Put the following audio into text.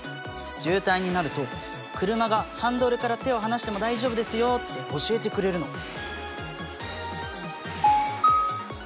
渋滞になると車が「ハンドルから手を離しても大丈夫ですよ」って教えてくれるの。